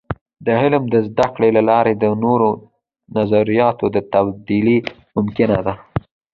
د علم د زده کړې له لارې د نوو نظریاتو د تبادلې ممکنه ده.